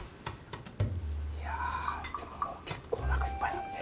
いやでももう結構おなかいっぱいなんで。